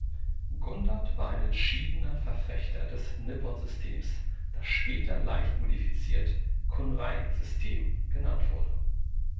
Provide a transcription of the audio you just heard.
Gundert war ein entschiedener Verfechter des Nippon-Systems, das später leicht modifiziert Kunrei-System genannt wurde.